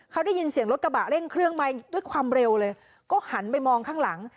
เขาได้ยินเสียงรถกระบะเร่งเครื่องมาด้วยความเร็วเลยก็หันไปมองข้างหลัง